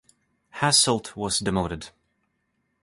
Hasselt was demoted.